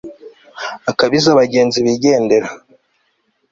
akabiza abagenzi bigendera